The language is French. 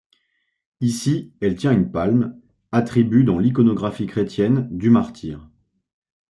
Ici elle tient une palme, attribut dans l'iconographie chrétienne, du martyre.